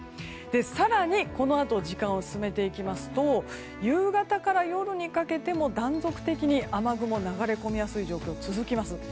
更に、このあと時間を進めると夕方から夜にかけても断続的に雨雲が流れ込みやすい状況が続きます。